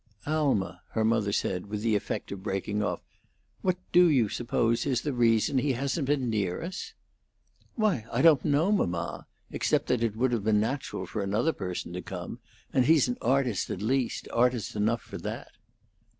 "Alma," her mother said, with the effect of breaking off, "what do you suppose is the reason he hasn't been near us?" "Why, I don't know, mamma, except that it would have been natural for another person to come, and he's an artist at least, artist enough for that."